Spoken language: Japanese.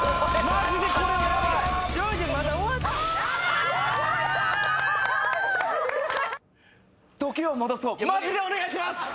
マジでお願いします！